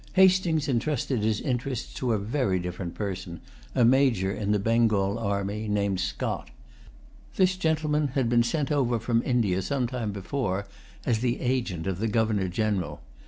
Hastings entrusted his interests to a very different person, a major in the Bengal army, named Scott. This gentleman had been sent over from India some time before as the agent of the Governor General.